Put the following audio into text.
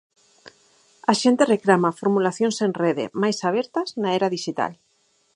A xente reclama formulacións en rede, máis abertas, na era dixital.